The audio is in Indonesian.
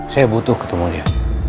saya butuh ketemunya